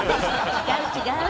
違う違う！